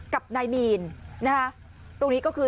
กลุ่มหนึ่งก็คือ